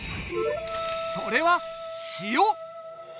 それは塩。